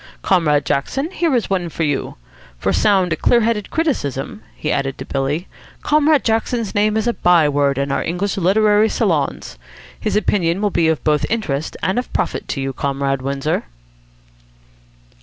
Comrade Jackson, here is one for you. For sound, clear headed criticism," he added to Billy, "Comrade Jackson's name is a by word in our English literary salons. His opinion will be both of interest and of profit to you, Comrade Windsor."